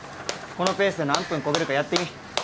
このペースで何分こげるかやってみ。